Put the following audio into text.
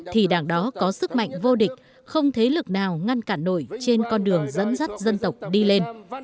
thì đảng đó có sức mạnh vô địch không thế lực nào ngăn cản nổi trên con đường dẫn dắt dân tộc đi lên